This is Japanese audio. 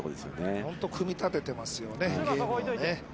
◆本当組み立ててますよね、ゲームを。